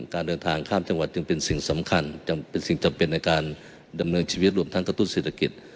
การเดินทางข้ามจังหวัดจึงเป็นสิ่งสำคัญเป็นสิ่งจำเป็นในการดำเนินชีวิตรวมทั้งกระตุ้นเศรษฐกิจ